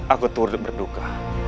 aku turut berduka